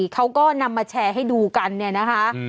เขาก็นำมาแชร์ให้ดูกันเนี่ยนะคะ